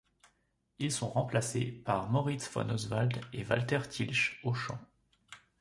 Ils sont remplacés par Moritz von Oswald et Walther Thielsch au chant.